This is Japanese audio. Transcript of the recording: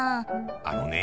あのね